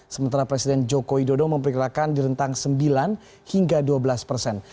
sementara presiden joko widodo memperkirakan di rentang sembilan hingga dua belas persen